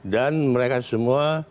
dan mereka semua